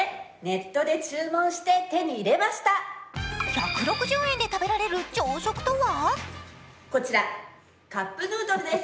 １６０円で食べられる朝食とは？